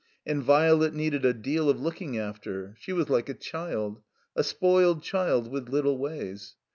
And Violet needed a deal of looking after. She was like a child. A spoiled child with little ways.